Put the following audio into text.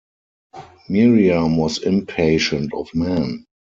Miriam was impatient of men.